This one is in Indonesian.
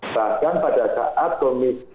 bahkan pada saat komis